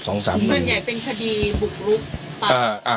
ส่วนใหญ่เป็นคดีบุกรุกปักอ่า